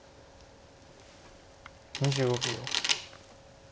２５秒。